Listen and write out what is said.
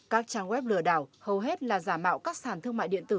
các trang web lừa đảo hầu hết là giả mạo các sản thương mại điện tử